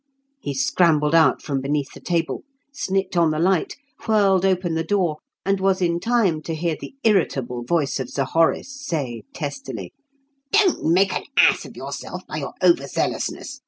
He scrambled out from beneath the table, snicked on the light, whirled open the door, and was in time to hear the irritable voice of Sir Horace say, testily: "Don't make an ass of yourself by your over zealousness.